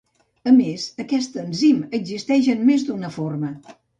A més, aquest enzim existeix en més d’una forma.